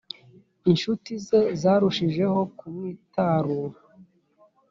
incuti ze zarushijeho kumwitarura.